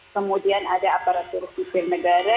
kemudian ada aparatur sipil negara